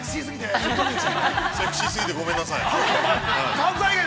◆セクシー過ぎてごめんなさい。